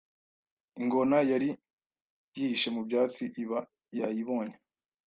ingona yari yihishe mu byatsi iba yayibonye